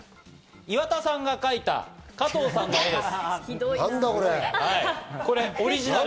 岩田さんが描いた加藤さんの絵です。